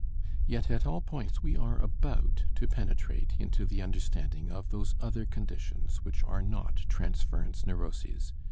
Yet at all points we are about to penetrate into the understanding of those other conditions which are not transference neuroses.